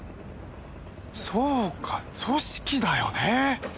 そうか組織だよね！